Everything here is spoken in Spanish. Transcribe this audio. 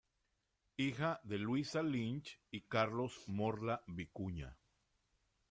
Hija de Luisa Lynch y Carlos Morla Vicuña.